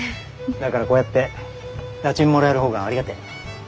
だからこうやって駄賃もらえる方がありがてえ。